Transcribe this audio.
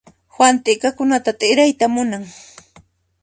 Juan t'ikakunata t'irayta munan.